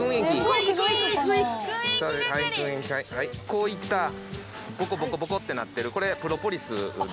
こういったボコボコボコってなってるこれプロポリス。